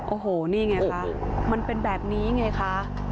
โอ้โหนี่ไงคะมันเป็นแบบนี้ไงคะ